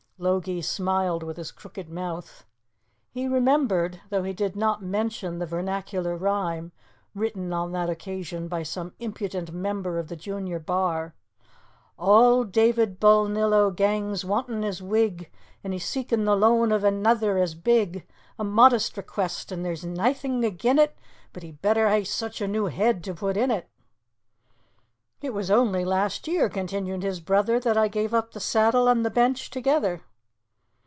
Logie smiled with his crooked mouth. He remembered, though he did not mention, the vernacular rhyme written on that occasion by some impudent member of the junior bar: "Auld David Balnillo gangs wantin' his wig, And he's seekin' the loan of anither as big. A modest request, an' there's naething agin' it, But he'd better hae soucht a new head to put in it!" "It was only last year," continued his brother, "that I gave up the saddle and the bench together."